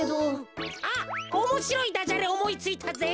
あっおもしろいダジャレおもいついたぜ。